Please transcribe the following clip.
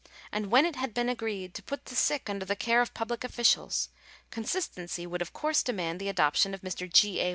And when it had been agreed to put the sick under the care of pub lic officials, consistency would of course demand the adoption of Mr. G. A.